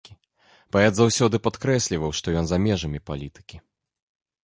Паэт заўсёды падкрэсліваў, што ён за межамі палітыкі.